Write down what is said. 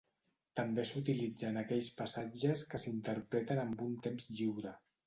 També s'utilitza en aquells passatges que s'interpreten amb un temps lliure.